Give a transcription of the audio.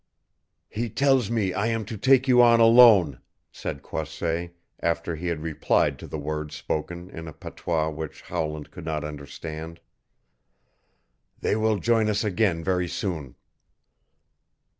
"He tells me I am to take you on alone," said Croisset, after he had replied to the words spoken in a patois which Howland could not understand. "They will join us again very soon."